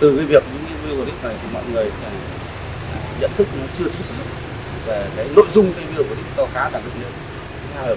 từ việc những video clip này mọi người nhận thức chưa thích sẵn nội dung của video clip đó khá là đặc biệt